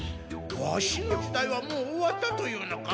ワシの時代はもう終わったというのか？